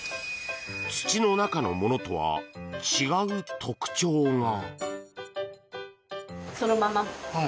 土の中のものとは違う特徴が。